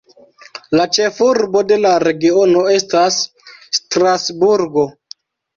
La ĉefurbo de la regiono estas Strasburgo.